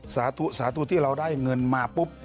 สาธุสาธุที่เราได้เงินมาปุ๊บ